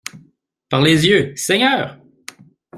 Par les yeux, Seigneur!